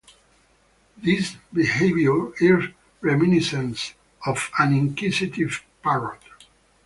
This behaviour is reminiscent of an inquisitive parrot.